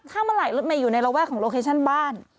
ถ้าเมื่อไหร่รถเมย์อยู่ในระแวกของโลเคชั่นบ้าน